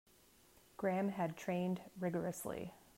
Graham had trained rigourously.